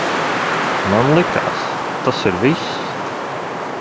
Man likās, tas ir viss.